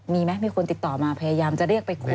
มีไหมมีคนติดต่อมาพยายามจะเรียกไปคุย